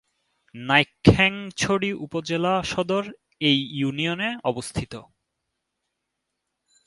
নাইক্ষ্যংছড়ি উপজেলা সদর এ ইউনিয়নে অবস্থিত।